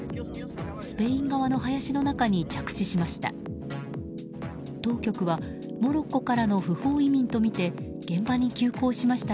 スペイン側の林の中に着地しました。